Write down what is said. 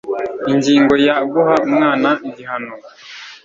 Ingingo ya Guha umwana igihano